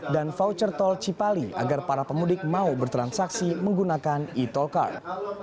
dan voucher tol cipali agar para pemudik mau bertransaksi menggunakan e tolcard